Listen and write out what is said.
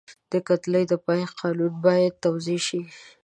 د کتلې د پایښت قانون باید توضیح شي.